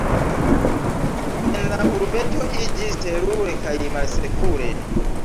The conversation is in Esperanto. En la urbeto iĝis terure kaj malsekure.